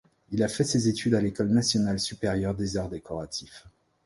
Il a fait ses études à l'École nationale supérieure des arts décoratifs.